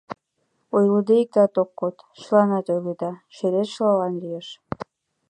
Ойлыде иктат ок код, чыланат ойледа, черет чылалан лиеш.